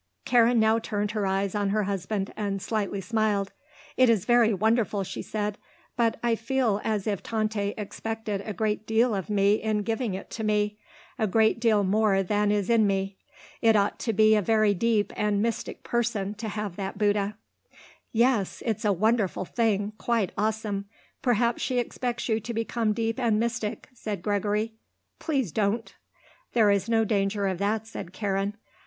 Karen now turned her eyes on her husband and slightly smiled. "It is very wonderful," she said, "but I feel as if Tante expected a great deal of me in giving it to me a great deal more than is in me. It ought to be a very deep and mystic person to have that Bouddha." "Yes, it's a wonderful thing; quite awesome. Perhaps she expects you to become deep and mystic," said Gregory. "Please don't." "There is no danger of that," said Karen.